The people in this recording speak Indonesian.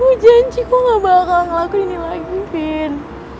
gue janji gue gak bakal ngelakuin ini lagi vin